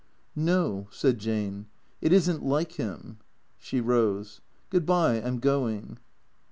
"No," said Jane, "it isn't like him." She rose. "Good bye, I 'm going."